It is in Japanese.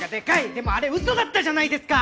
でもあれウソだったじゃないですか！